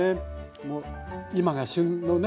もう今が旬のね